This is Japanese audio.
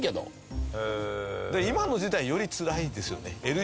今の時代よりつらいですよね。